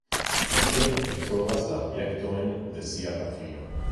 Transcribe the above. Tie li trovas la objektojn de sia patrino.